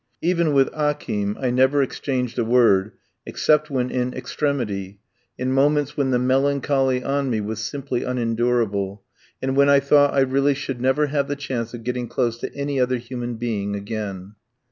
Even with Akim I never exchanged a word except when in extremity, in moments when the melancholy on me was simply unendurable, and when I thought I really never should have the chance of getting close to any other human being again.